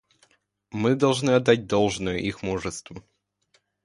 Мы должны отдать должное их мужеству.